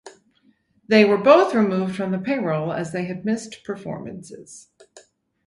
They were both removed from the payroll as they had missed performances.